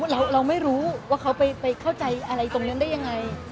เราไม่รู้ว่าเขาไปเข้าใจอะไรตรงนั้นได้ยังไง